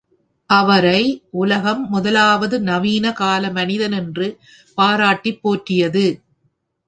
அவரை உலகம் முதலாவது நவீன கால மனிதன் என்று பாராட்டிப் போற்றியது.